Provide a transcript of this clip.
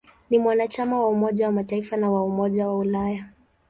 Ni mwanachama wa Umoja wa Mataifa na wa Umoja wa Ulaya.